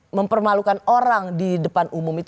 tetapi mempermalukan orang di depan umum